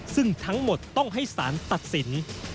ซึ่งทั้งหมดต้องให้สารตัดสิน